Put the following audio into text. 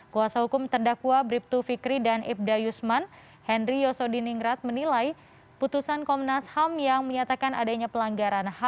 kuasa hukum terdakwa bribtu fikri dan ibda yusman henry yosodiningrat menilai putusan komnas ham yang menyatakan adanya pelanggaran ham